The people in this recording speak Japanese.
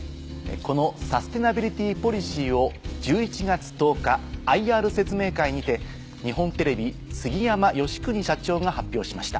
このサステナビリティポリシーを１１月１０日ＩＲ説明会にて日本テレビ杉山美邦社長が発表しました。